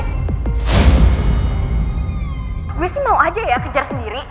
aku sih mau aja ya kejar sendiri